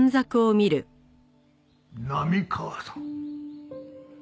波川さん？